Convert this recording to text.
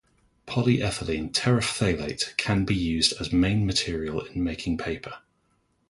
Polyethylene terephthalate also can be used as main material in making paper.